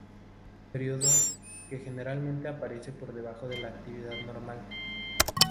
Período, que generalmente aparece por debajo de la actividad normal.